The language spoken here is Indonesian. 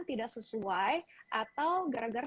tidak sesuai atau gara gara